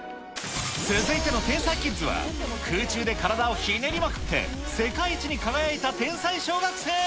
続いての天才キッズは、空中で体をひねりまくって、世界一に輝いた天才小学生。